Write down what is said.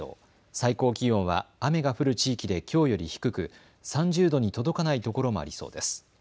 最高気温は雨が降る地域できょうより低く３０度に届かないところもありそうです。